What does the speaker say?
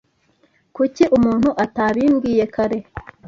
Kuki umuntu atabimbwiye kare?